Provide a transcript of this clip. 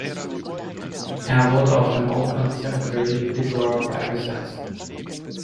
Er wurde auf dem "Oakland Cemetery" in Little Rock beigesetzt.